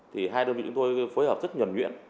thì hai đơn vị chúng tôi phối hợp rất nhuẩn nhuyễn